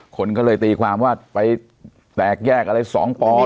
คนก็เลยตีความว่าไปแตกแยกอะไร๒ปอ